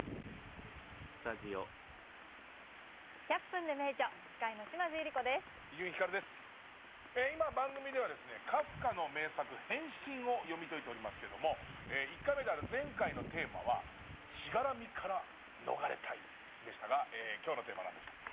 「１００分ｄｅ名著」司会の今番組ではカフカの名作「変身」を読み解いておりますけれども１回目である前回のテーマは「しがらみから逃れたい」でしたが今日のテーマは何でしょうか？